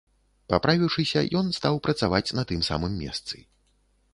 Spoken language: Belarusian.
Паправіўшыся, ён стаў працаваць на тым самым месцы.